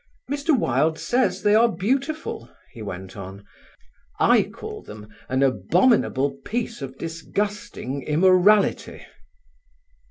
"Mr. Wilde says they are beautiful," he went on, "I call them an abominable piece of disgusting immorality."